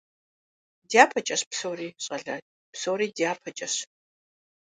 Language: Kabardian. ДяпэкӀэщ псори, щӀалэ. Псори дяпэкӀэщ.